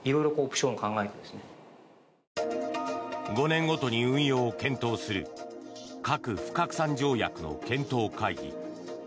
５年ごとに運用を検討する核不拡散条約の検討会議。